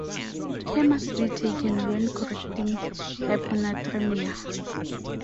Care must be taken when correcting hyponatremia.